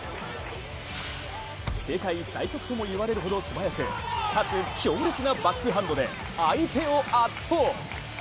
世界最速ともいわれるほど素早くかつ強烈なバックハンドで相手を圧倒。